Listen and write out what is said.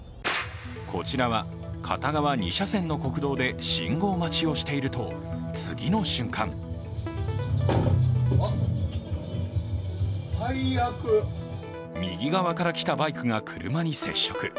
こちらは片側２車線の国道で信号待ちをしていると、次の瞬間右側から来たバイクが車に接触。